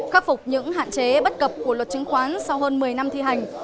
khắc phục những hạn chế bất cập của luật chứng khoán sau hơn một mươi năm thi hành